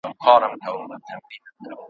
نه مو غوښي پخوي څوک په ځولیو ,